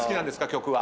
曲は。